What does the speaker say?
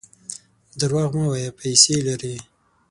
درواغ مه وایه ! پیسې لرې.